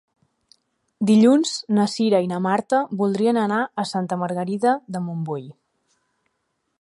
Dilluns na Cira i na Marta voldrien anar a Santa Margarida de Montbui.